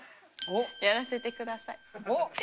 やらせて下さい。